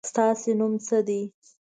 ستاسو نوم څه دی ؟